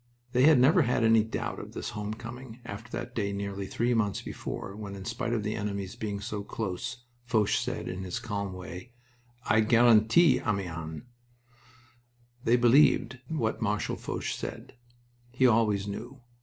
They had never had any doubt of this homecoming after that day nearly three months before, when, in spite of the enemy's being so close, Foch said, in his calm way, "I guarantee Amiens." They believed what Marshal Foch said. He always knew.